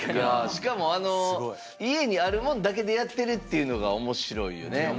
しかもあの家にあるもんだけでやってるっていうのが面白いよね。